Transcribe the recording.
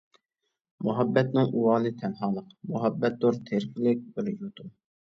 مۇھەببەتنىڭ ئۇۋالى تەنھالىق، مۇھەببەتتۇر تىرىكلىك بىر يۇتۇم.